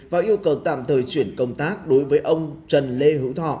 và yêu cầu tạm thời chuyển công tác đối với ông trần lê hữu thọ